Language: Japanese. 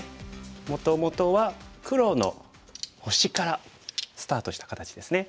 もともとは黒の星からスタートした形ですね。